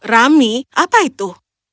rami apa itu